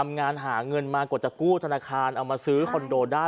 หาเงินมากว่าจะกู้ธนาคารเอามาซื้อคอนโดได้